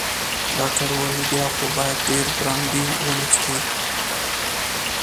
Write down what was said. ډاکټر وویل: نو بیا خو باید ډیر برانډي ونه څښې.